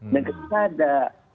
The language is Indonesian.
dan kita ada